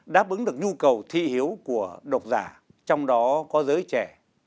đáp ứng được nhu cầu thi hiếu của độc giả trong đó có giới trẻ